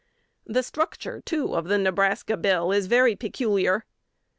"The structure, too, of the Nebraska Bill is very peculiar.